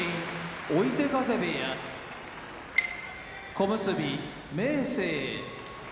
追手風部屋小結・明生